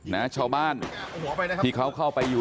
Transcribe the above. นะชาวบ้านที่เขาเข้าไปอยู่